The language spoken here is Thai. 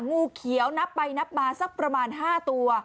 งูเขียวนับไปนับมาสักประมาณ๕ตัว